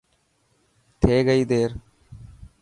ٿي گئي دير.